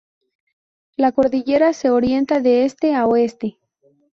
La cordillera se orienta de este a oeste.